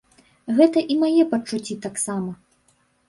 Гэта і мае пачуцці таксама.